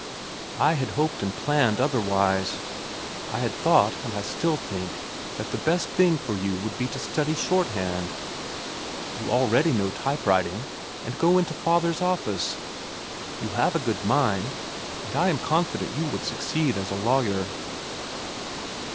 "I had hoped and planned otherwise. I had thought, and I still think, that the best thing for you would be to study shorthand—you already know type writing—and go into father's office. You have a good mind, and I am confident you would succeed as a lawyer."